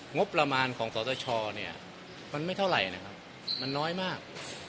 งบประมาณของสตชเนี่ยมันไม่เท่าไหร่นะครับมันน้อยมาก